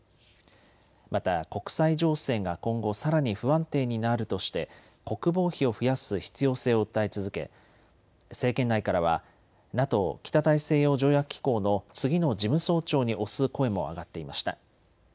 また国際情勢が今後さらに不安定になるとして国防費を増やす必要性を訴え続け政権内からはＮＡＴＯ・北大西洋条約機構の次の事務総長に推す声も上がっていました。